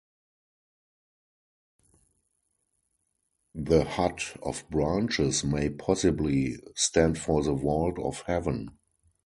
The hut of branches may possibly stand for the vault of heaven.